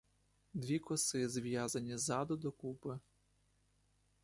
Дві коси зв'язані ззаду докупи.